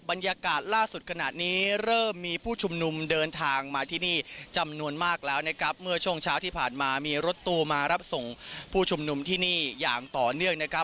บรรยากาศล่าสุดขนาดนี้เริ่มมีผู้ชุมนุมเดินทางมาที่นี่จำนวนมากแล้วนะครับเมื่อช่วงเช้าที่ผ่านมามีรถตู้มารับส่งผู้ชุมนุมที่นี่อย่างต่อเนื่องนะครับ